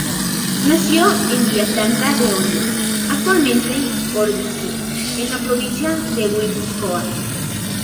Nació en Villafranca de Oria, actualmente Ordizia, en la provincia de Guipúzcoa.